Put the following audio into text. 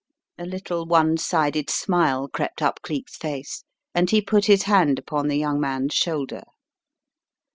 A little one sided smile crept up Cleek's face and he put his hand upon the young man's shoulder.